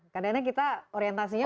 karena kita orientasinya